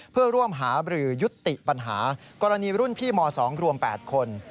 เพื่อร่วมหาบรือยุติปัญหากรณีรุ่นพี่ม๒รวม๘คน